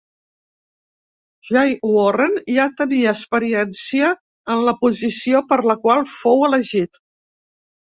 Jay Warren ja tenia experiència en la posició per la qual fou elegit.